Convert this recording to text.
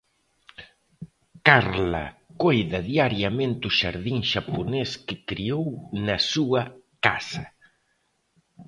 Carla coida diariamente o xardín xaponés que creou na súa casa.